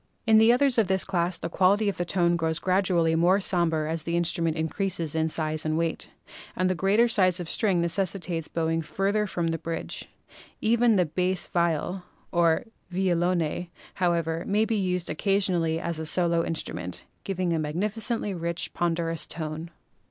In the others of this class the quality of tone grows gradually more somber as the instruments increase in size and weight, and the greater size of string necessitates bowing farther from the bridge. Even the bass viol (or violone), however, may be used occasionally as a solo in strument, giving a magnificently rich, ponderous tone.